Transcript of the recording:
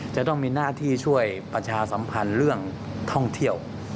จะต้องมีหน้าที่ช่วยประชาสัมพันธ์เรื่องท่องเที่ยว